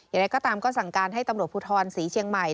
อย่างไรก็ตามก็สั่งการให้ตำรวจภูทรศรีเชียงใหม่